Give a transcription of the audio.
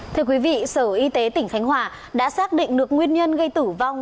thưa quý vị sở y tế tỉnh khánh hòa đã xác định được nguyên nhân gây tử vong